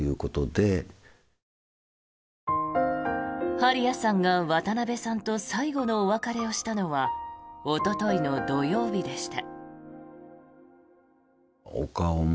針谷さんが渡辺さんと最後のお別れをしたのはおとといの土曜日でした。